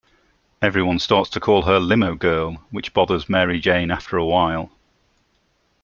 Everyone starts to call her "Limo Girl", which bothers Mary Jane after a while.